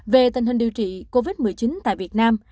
về tình hình điều trị covid một mươi chín tại việt nam